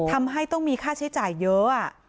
ทำให้ต้องมีค่าใช้จ่ายเยอะ